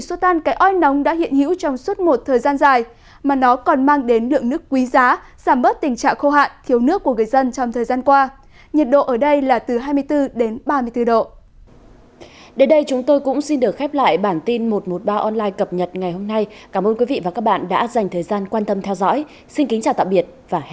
xin kính chào tạm biệt